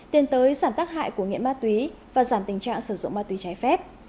tiến tới giảm tác hại của nghiện ma túy và giảm tình trạng sử dụng ma túy trái phép